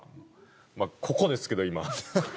まあここですけど今。